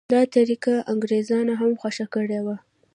دا طریقه انګریزانو هم خوښه کړې وه.